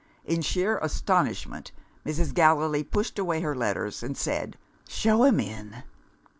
In sheer astonishment, Mrs. Gallilee pushed away her letters, and said "Show him in."